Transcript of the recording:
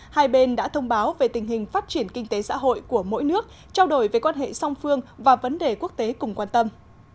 hai bên đã thông báo về tình hình phát triển kinh tế xã hội của mỗi nước trao đổi về quan hệ song phương và vấn đề quốc tế cùng quan tâm